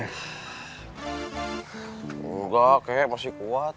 enggak kek masih kuat